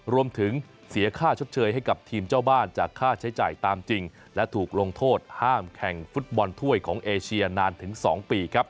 เสียค่าชดเชยให้กับทีมเจ้าบ้านจากค่าใช้จ่ายตามจริงและถูกลงโทษห้ามแข่งฟุตบอลถ้วยของเอเชียนานถึง๒ปีครับ